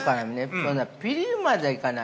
そんなピリッまではいかない。